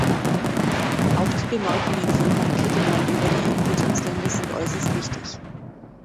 Auch die Bemerkungen von Herrn Kittelmann über die Entwicklungsländer sind äußerst wichtig.